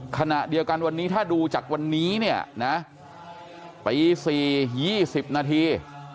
ขณะเดียวกันวันนี้ถ้าดูจากวันนี้เนี่ยนะตี๔๒๐นาที